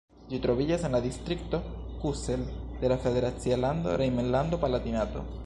Ĝi troviĝas en la distrikto Kusel de la federacia lando Rejnlando-Palatinato.